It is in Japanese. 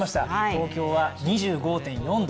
東京は２５．４度。